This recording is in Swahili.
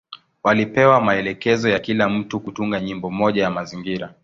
Walipewa maelekezo ya kila mtu kutunga nyimbo moja ya mazingira.